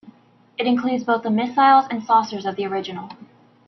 It includes both the missiles and saucers of the original.